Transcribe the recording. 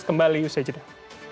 kembali usai jedah